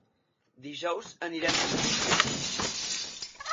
Dijous anirem d'excursió.